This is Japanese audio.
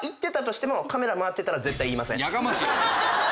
やかましい！